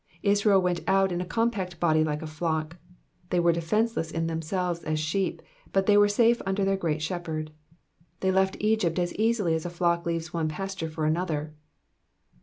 Israel went out in a compact body like a nock ; they were defenceless in themselves as sheep, but they were safe under their Great Shepherd ; they left Egypt as easily as a flock leaves one pasture for another.